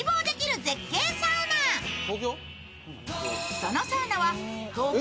そのサウナは、東京・